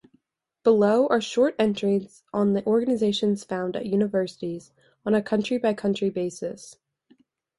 Below are short entries on the organizations found at universities on a country-by-country basis.